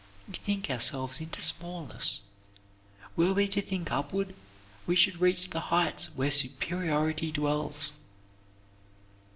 We think ourselves into smallness. Were we to think upward we should reach the heights where superiority dwells.